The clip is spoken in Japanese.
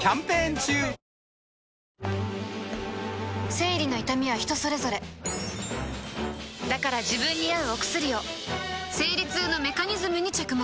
生理の痛みは人それぞれだから自分に合うお薬を生理痛のメカニズムに着目